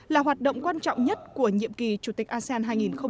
là hoạt động quan trọng nhất của nhiệm kỳ chủ tịch asean hai nghìn hai mươi